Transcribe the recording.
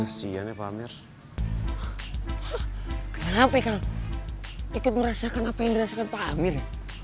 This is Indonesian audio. kasihannya pamir kenapa ikan ikut merasakan apa yang dirasakan pak amir